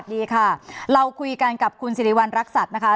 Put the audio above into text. ดีค่ะเราคุยกันกับคุณสิริวัณรักษัตริย์นะคะ